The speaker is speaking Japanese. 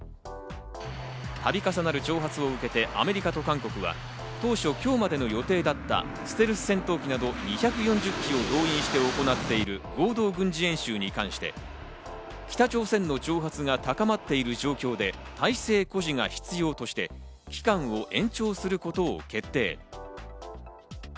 度重なる挑発を受けて、アメリカと韓国は当初今日までの予定だったステルス戦闘機など２４０機を動員して行っている合同軍事演習に関して、北朝鮮の挑発が高まっている状況で態勢誇示が必要として、期間を延長することを決定。